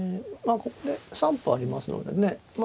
ここで３歩ありますのでね